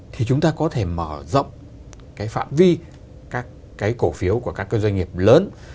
thì chúng ta có thể mở rộng cái phạm vi các cái cổ phiếu của các cái doanh nghiệp lớn